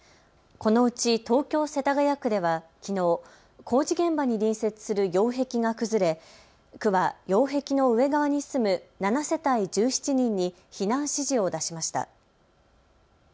このうち東京世田谷区ではきのう工事現場に隣接する擁壁が崩れ、区は擁壁の上側に住む７世帯１７人に避難指示を出しました。